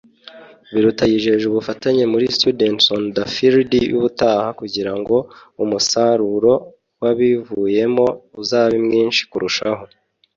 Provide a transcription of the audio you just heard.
Biruta yijeje ubufatanye muri ‘Students on the field’ y’ubutaha kugira ngo umusaruro wabivuyemo uzabe mwinshi kurushaho